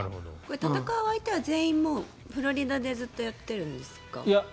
戦う相手は全員フロリダでずっとやってるんですか？